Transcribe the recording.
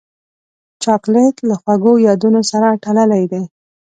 چاکلېټ له خوږو یادونو سره تړلی دی.